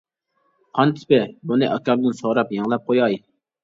قان تىپى :بۇنى ئاكامدىن سوراپ يېڭىلاپ قوياي.